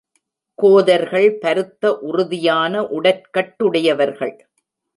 கோதர்கள் பருத்த, உறுதியான உடற்கட்டுடையவர்கள்.